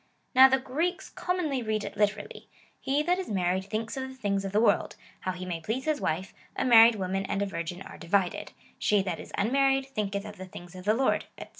Now the Greeks commonly read it literally, " He that is married thinks of the things of the world, how he may please his wife : a married woman and a virgin are divided : She that is unmarried, thinketh of the things of the Lord," &c.